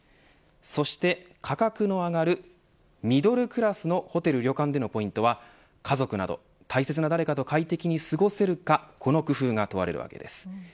そして価格の上がるミドルクラスのホテル・旅館でのポイントは家族など大切な誰かと快適に過ごせるかこの工夫が問われるわけです。